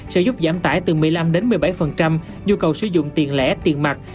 sẽ giúp giảm tải từ một mươi năm một mươi bảy nhu cầu sử dụng tiền lẻ tiền mặt